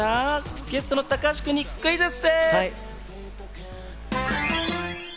ゲストの高橋君にクイズッス。